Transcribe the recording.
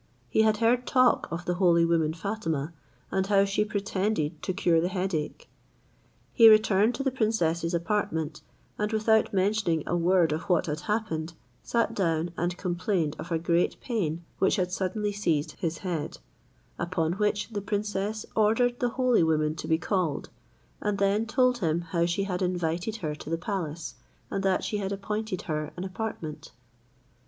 He had heard talk of the holy woman Fatima, and how she pretended to cure the headache. He returned to the princess's apartment, and without mentioning a word of what had happened, sat down, and complained of a great pain which had suddenly seized his head; upon which the princess ordered the holy woman to be called, and then told him how she had invited her to the palace, and that she had appointed her an apartment.